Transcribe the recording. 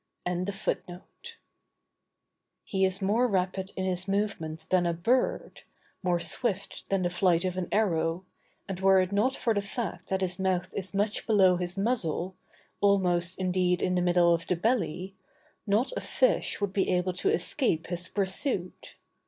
He is more rapid in his movements than a bird, more swift than the flight of an arrow, and were it not for the fact that his mouth is much below his muzzle, almost, indeed, in the middle of the belly, not a fish would be able to escape his pursuit.